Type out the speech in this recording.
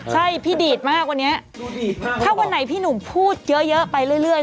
ใช่พี่ดีดมากวันนี้ถ้าวันไหนพี่หนุ่มพูดเยอะไปเรื่อย